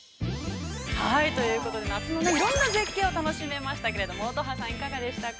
◆ということで、夏のいろんな絶景を楽しめましたけど、乙葉さん、いかがでしたか。